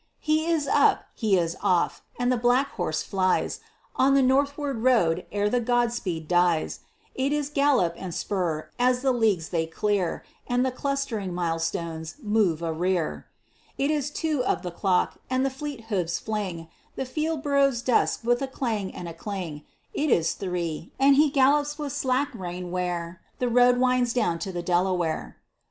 He is up; he is off! and the black horse flies On the northward road ere the "God speed" dies; It is gallop and spur, as the leagues they clear, And the clustering mile stones move a rear. It is two of the clock; and the fleet hoofs fling The Fieldboro's dust with a clang and a cling; It is three; and he gallops with slack rein where The road winds down to the Delaware.